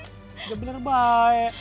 gak bener baik